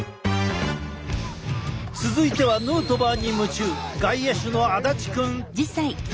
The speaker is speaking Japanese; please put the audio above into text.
続いてはヌートバーに夢中外野手の足立くん！